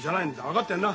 分かってんな？